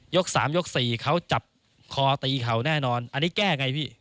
๓ยก๔เขาจับคอตีเข่าแน่นอนอันนี้แก้ไงพี่